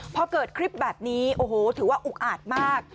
พอเกิดคลิปแบบนี้โอ้โหถือว่าอุกอาจมาก